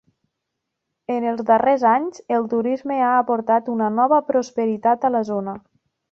En els darrers anys, el turisme ha aportat una nova prosperitat a la zona.